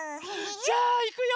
じゃあいくよ。